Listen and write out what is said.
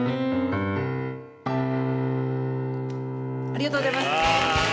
ありがとうございます。